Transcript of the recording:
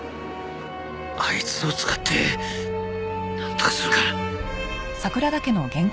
あいつを使ってなんとかするか。